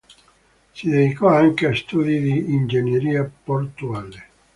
Si dedicò anche a studi di ingegneria portuale.